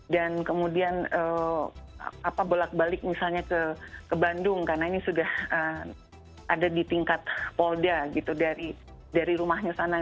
dan kemudian bolak balik misalnya ke bandung karena ini sudah ada di tingkat polda gitu dari rumahnya sana